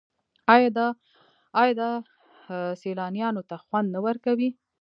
آیا دا سیلانیانو ته خوند نه ورکوي؟